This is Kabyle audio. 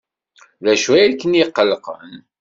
D acu ay ken-iqellqen?